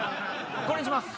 これにします！